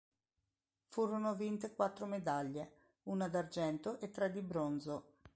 Furono vinte quattro medaglie: una d'argento e tre di bronzo.